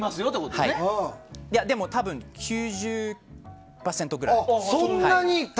でも多分９０％くらい！